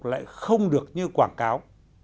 lại không được như quảng cáo